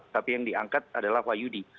tapi yang diangkat adalah wahyudi